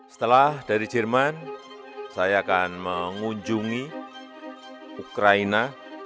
setelah dari jerman saya akan mengunjungi ukraina